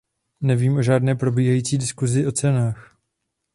Nevím o žádné probíhající diskusi o cenách.